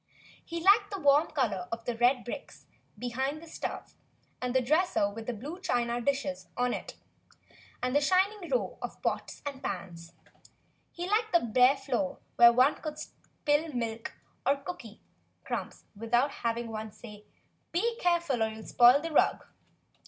He liked the w^rm color of the red bricks behind the stove, and the dresser with the blue china dishes on it, and the shining row of pots and pans. He liked the bare floor where one could spill milk or cooky 2 THE BLUE AUNT crumbs without having any one say, "Be careful, or you'll spoil the rug."